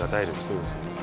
そうですね